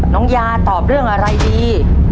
น้องยาตอบเรื่องอะไรดี